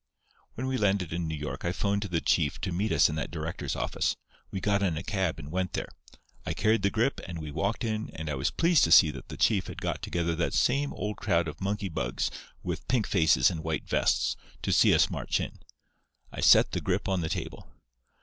"When we landed in New York I 'phoned to the chief to meet us in that director's office. We got in a cab and went there. I carried the grip, and we walked in, and I was pleased to see that the chief had got together that same old crowd of moneybugs with pink faces and white vests to see us march in. I set the grip on the table.